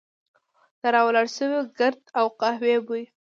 د را ولاړ شوي ګرد او د قهوې بوی.